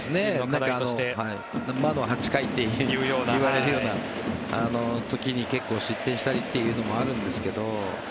魔の８回といわれる中で結構失点したりということもあるんですけど